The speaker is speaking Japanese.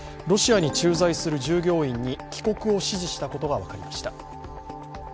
ロシアに駐在する従業員に帰国を指示したことが分かりました。